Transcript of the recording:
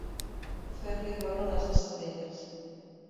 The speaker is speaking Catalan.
Fer-li veure les estrelles.